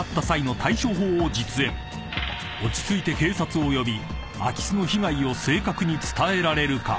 ［落ち着いて警察を呼び空き巣の被害を正確に伝えられるか？］